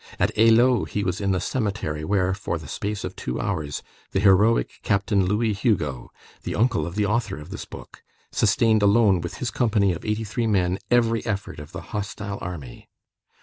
At Eylau he was in the cemetery where, for the space of two hours, the heroic Captain Louis Hugo, the uncle of the author of this book, sustained alone with his company of eighty three men every effort of the hostile army.